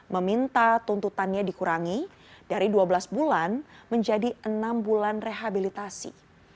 meminta tuntutannya dikurangi dari dua belas bulan menjadi enam bulan rehabilitasi